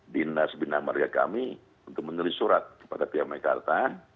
dinas binamara kami untuk mengulis surat kepada pihak mekarta